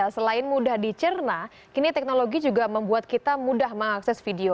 selain mudah dicerna kini teknologi juga membuat kita mudah mengakses video